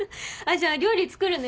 じゃあ料理作るね。